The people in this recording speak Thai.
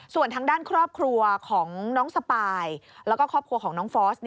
ส่วนทางด้านครอบครัวของน้องสปายแล้วก็ครอบครัวของน้องฟอส